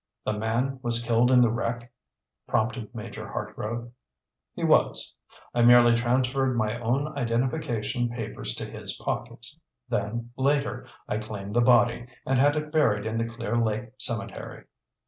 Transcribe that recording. "The man was killed in the wreck?" prompted Major Hartgrove. "He was. I merely transferred my own identification papers to his pockets. Then, later, I claimed the body and had it buried in the Clear Lake cemetery."